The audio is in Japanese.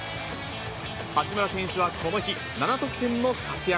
八村選手はこの日、７得点の活躍。